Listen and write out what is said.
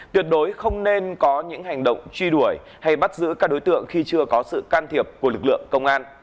tuyệt đối không nên có những hành động truy đuổi hay bắt giữ các đối tượng khi chưa có sự can thiệp của lực lượng công an